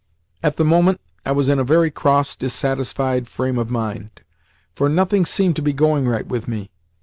At the moment I was in a very cross, dissatisfied frame of mind, for nothing seemed to be going right with me.